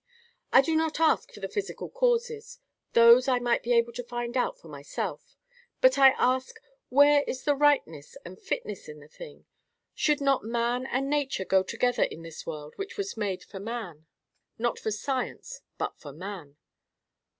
I do not ask for the physical causes: those I might be able to find out for myself; but I ask, Where is the rightness and fitness in the thing? Should not man and nature go together in this world which was made for man—not for science, but for man?